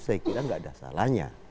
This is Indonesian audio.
saya kira nggak ada salahnya